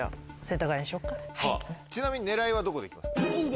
ちなみに狙いはどこで行きますか？